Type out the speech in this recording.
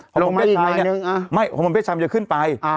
โฮโมนเพศชายเนี่ยไม่โฮโมนเพศชายมันจะขึ้นไป